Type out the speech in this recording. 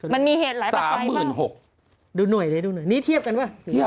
มันมีเหตุหลายปัจไฟบ้างดูหน่วยเลยดูหน่วยนี่เทียบกันป่ะ